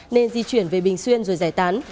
nên di chuyển về bình xuyên rồi giải tán